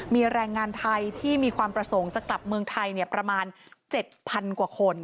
มีแรงงานไทยที่มีความประสงค์จะกลับเมืองไทยประมาณ๗๐๐กว่าคน